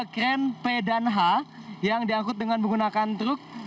kren p dan h yang diangkut dengan menggunakan truk